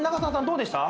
どうでした？